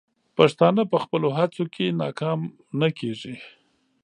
پښتانه په خپلو هڅو کې ناکام نه کیږي.